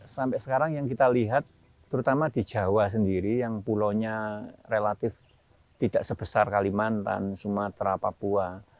sampai sekarang yang kita lihat terutama di jawa sendiri yang pulaunya relatif tidak sebesar kalimantan sumatera papua